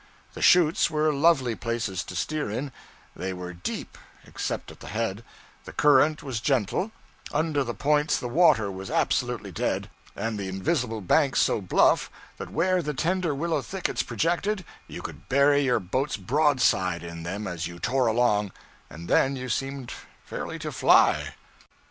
The chutes were lovely places to steer in; they were deep, except at the head; the current was gentle; under the 'points' the water was absolutely dead, and the invisible banks so bluff that where the tender willow thickets projected you could bury your boat's broadside in them as you tore along, and then you seemed fairly to fly.